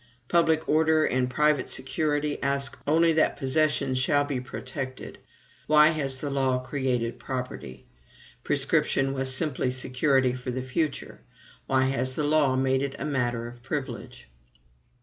Public order and private security ask only that possession shall be protected. Why has the law created property? Prescription was simply security for the future; why has the law made it a matter of privilege?